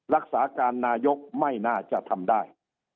รักษาการนายกไม่น่าจะทำได้